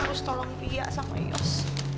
harus tolong lia sama yos